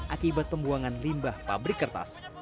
akibat pembuangan limbah pabrik kertas